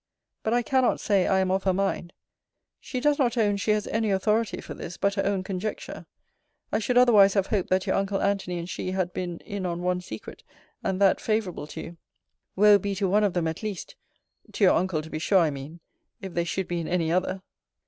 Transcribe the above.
But I cannot say I am of her mind. She does not own, she has any authority for this, but her own conjecture. I should otherwise have hoped, that your uncle Antony and she had been in on one secret, and that favourable to you. Woe be to one of them at least [to you uncle to be sure I mean] if they should be in any other!